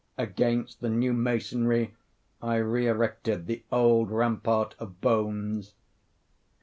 Against the new masonry I re erected the old rampart of bones.